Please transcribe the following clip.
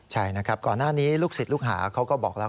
ใช่นะครับก่อนหน้านี้ลูกศิษย์ลูกหาเขาก็บอกแล้ว